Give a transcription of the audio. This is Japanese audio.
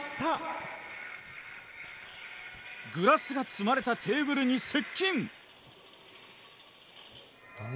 グラスが積まれたテーブルに接近！